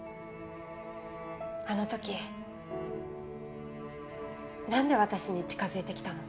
あの時なんで私に近づいてきたの？